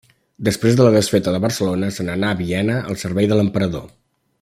Després de la desfeta de Barcelona se n'anà a Viena al servei de l'emperador.